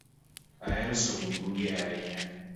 Ahero somo buge ahinya